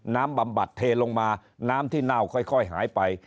บำบัดเทลงมาน้ำที่เน่าค่อยหายไป